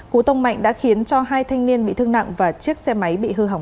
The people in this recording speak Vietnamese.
cú tông mạnh đã khiến cho hai thanh niên bị thương nặng và chiếc xe máy bị hư hỏng